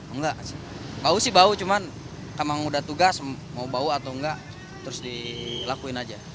enggak sih bau sih bau cuman emang udah tugas mau bau atau enggak terus dilakuin aja